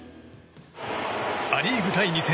ア・リーグ第２戦。